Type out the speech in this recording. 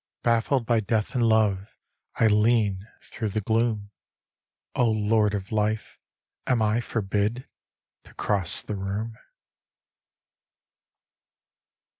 Baffled by death and love, I lean Through the gloom. O Lord of life! Am I forbid To cross the room?